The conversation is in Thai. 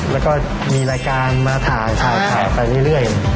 แล้วก็มีรายการมาถ่ายไปเรื่อย